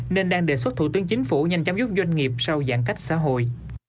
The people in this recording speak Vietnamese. nên đang đề xuất thủ tướng chính phủ nhanh chăm dứt doanh nghiệp sau giãn cách xã hội